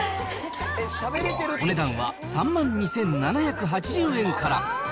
お値段は３万２７８０円から。